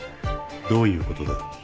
どういうことだ？